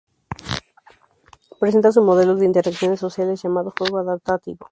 Presenta su modelo de interacciones sociales llamado 'juego adaptativo'.